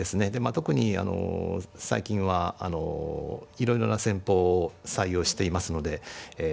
特にあの最近はいろいろな戦法を採用していますのでえ